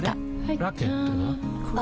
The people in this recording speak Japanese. ラケットは？